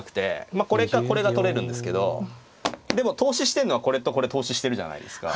まあこれかこれが取れるんですけどでも投資してるのはこれとこれ投資してるじゃないですか。